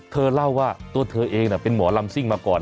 เธอเล่าว่าตัวเธอเองเป็นหมอลำซิ่งมาก่อน